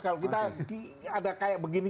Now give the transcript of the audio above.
kalau kita ada kayak begini